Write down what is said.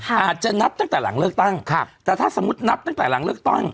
อาจจะนับตั้งแต่หลังเลือกตั้งแต่ถ้าสมมุตินับตั้งแต่หลังเลือกตั้ง